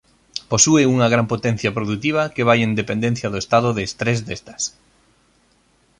Posúe unha gran potencia produtiva que vai en dependencia do estado de estrés destas.